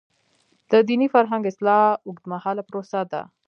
د دیني فرهنګ اصلاح اوږدمهاله پروسه ده.